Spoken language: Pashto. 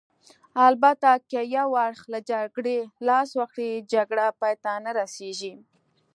البته که یو اړخ له جګړې لاس واخلي، جګړه پای ته نه رسېږي.